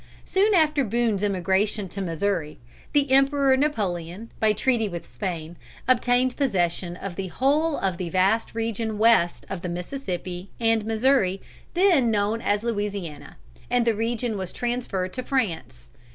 Soon after Boone's emigration to Missouri, the Emperor Napoleon, by treaty with Spain, obtained possession of the whole of the vast region west of the Mississippi and Missouri, then known as Louisiana, and the region was transferred to France.